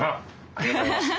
ありがとうございます。